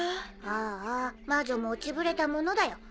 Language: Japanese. ああ魔女も落ちぶれたものだよ。